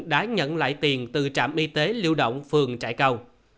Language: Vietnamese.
đã nhận lại tiền từ trạm y tế lưu động phường trại cầu